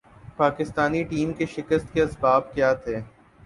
Pakistani team کے شکست کے اسباب کیا تھے ۔